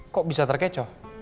kok bisa terkecoh